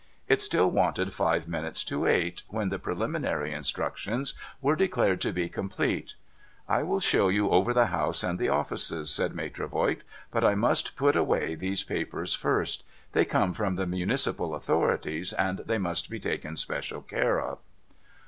It still wanted five minutes to eight, when the preliminary instructions were declared to be complete. ' I will show you over the house and the offices,' said Maitre Voigt, ' but I must put away these papers first. They come from the municipal authorities, and they must be taken special care of.'